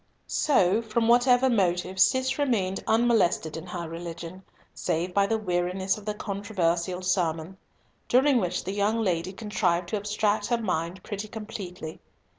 So, from whatever motive, Cis remained unmolested in her religion, save by the weariness of the controversial sermons, during which the young lady contrived to abstract her mind pretty completely.